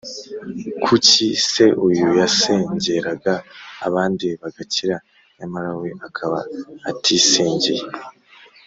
kuki se uyu yasengeraga abandi bagakira nyamara we akaba atisengeye?